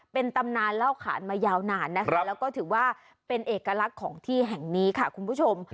เป็นตำนานเล่าขานมายาวนานนะคะแล้วก็ถือว่าเป็นเอกลักษณ์ของที่แห่งนี้ค่ะคุณผู้ชม